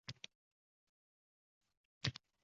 Qilganini qilmadi deymi?